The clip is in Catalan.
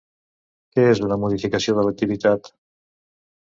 Què és una modificació de l'activitat?